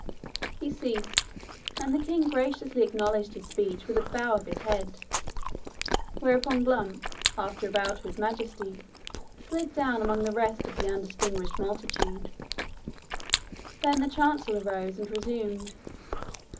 He ceased, and the king graciously acknowledged his speech with a bend of his head; whereupon Glump, after a bow to His Majesty, slid down amongst the rest of the undistinguished multitude. Then the Chancellor rose and resumed.